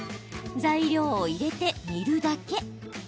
材料を入れて煮るだけ。